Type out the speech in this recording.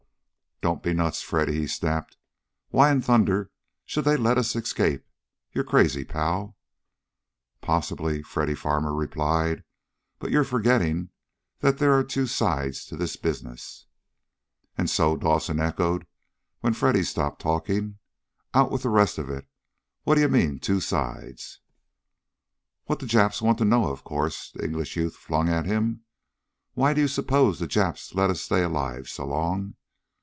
"Don't be nuts, Freddy!" he snapped. "Why in thunder should they let us escape? You're crazy, pal!" "Possibly," Freddy Farmer replied. "But you're forgetting that there are two sides to this business." "And so?" Dawson echoed when Freddy stopped talking. "Out with the rest of it! What do you mean, two sides?" "What the Japs want to know, of course!" the English youth flung at him. "Why do you suppose the Japs let us stay alive so long?